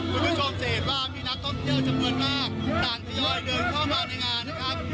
คุณผู้ชมจะเห็นว่ามีนักท่องเที่ยวจำนวนมากต่างทยอยเดินเข้ามาในงานนะครับ